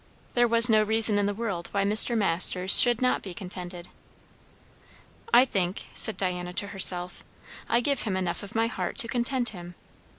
There was no reason in the world why Mr. Masters should not be contented. "I think," said Diana to herself, "I give him enough of my heart to content him.